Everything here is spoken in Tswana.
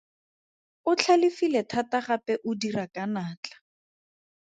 O tlhalefile thata gape o dira ka natla.